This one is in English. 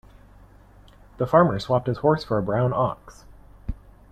The farmer swapped his horse for a brown ox.